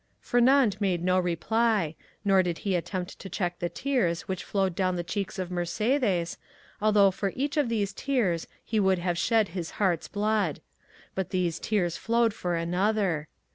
Fernand made no reply, nor did he attempt to check the tears which flowed down the cheeks of Mercédès, although for each of these tears he would have shed his heart's blood; but these tears flowed for another.